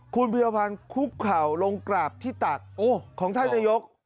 คุณพิรพันธ์คุกเข่าลงกราบที่ตักของท่านนายก